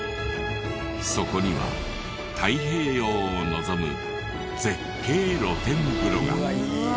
そこには太平洋を臨む絶景露天風呂が。